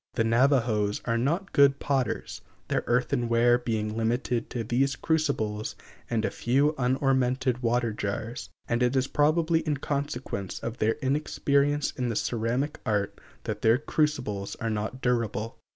The Navajos are not good potters; their earthenware being limited to these crucibles and a few unornamented water jars; and it is probably in consequence of their inexperience in the ceramic art that their crucibles are not durable.